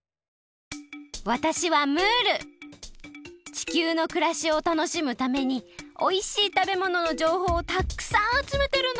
地球のくらしをたのしむためにおいしいたべもののじょうほうをたっくさんあつめてるの！